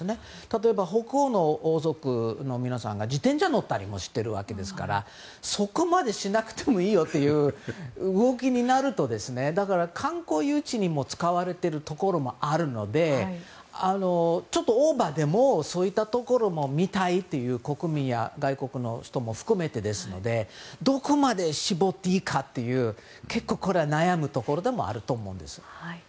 例えば北欧の王族の皆さんは自転車に乗ったりもしているわけですからそこまでしなくてもいいよという動きになると観光誘致に使われてるところもあるのでちょっとオーバーでもそういったところも見たいという国民や外国の人も含めてですのでどこまで絞っていいかという結構悩むところでもあると思うんです。